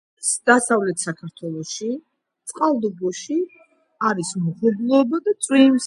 დასავლეთ საქართველოში, წყალტუბოში, არის მოღრუბლულობა და წვიმს